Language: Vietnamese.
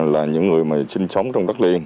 là những người mà sinh sống trong đất liền